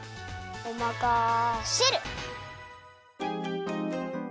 おまかシェル！